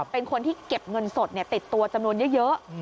เป็นคนที่เก็บเงินสดติดตัวจำนวนเยอะ